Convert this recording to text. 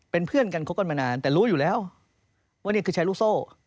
เป็นเพื่อนกันคบกันมานานแต่รู้อยู่แล้วว่านี่คือชายลูกโซ่